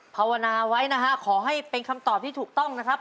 ภาวนาไว้นะฮะขอให้เป็นคำตอบที่ถูกต้องนะครับ